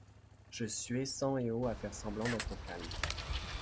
Je suais sang et eau à faire semblant d'être calme.